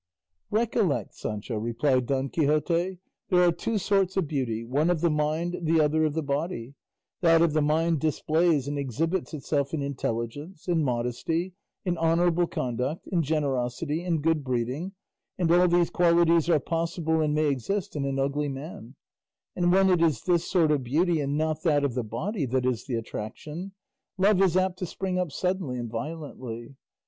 "Recollect, Sancho," replied Don Quixote, "there are two sorts of beauty, one of the mind, the other of the body; that of the mind displays and exhibits itself in intelligence, in modesty, in honourable conduct, in generosity, in good breeding; and all these qualities are possible and may exist in an ugly man; and when it is this sort of beauty and not that of the body that is the attraction, love is apt to spring up suddenly and violently.